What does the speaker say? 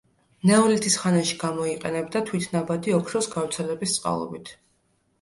ნეოლითის ხანაში გამოიყენებდა, თვითნაბადი ოქროს გავრცელების წყალობით.